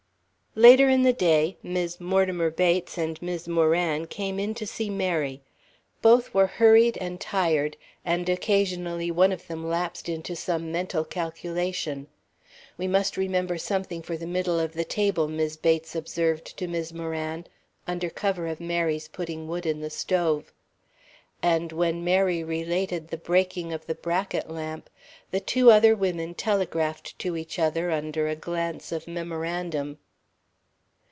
Later in the day, Mis' Mortimer Bates and Mis' Moran came in to see Mary. Both were hurried and tired, and occasionally one of them lapsed into some mental calculation. "We must remember something for the middle of the table," Mis' Bates observed to Mis' Moran, under cover of Mary's putting wood in the stove. And when Mary related the breaking of the bracket lamp, the two other women telegraphed to each other a glance of memorandum.